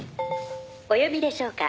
「お呼びでしょうか？」